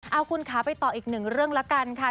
เอาคุณขาไปต่ออีกหนึ่งเรื่องละกันค่ะ